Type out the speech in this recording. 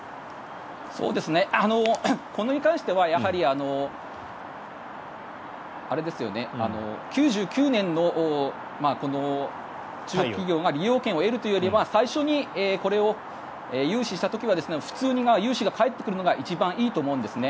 これに関しては９９年の、中国企業が利用権を得るというよりは最初にこれを融資した時は普通に融資が返ってくるのが一番いいと思うんですね。